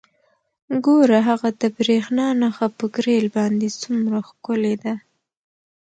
ګوره هغه د بریښنا نښه په ګریل باندې څومره ښکلې ده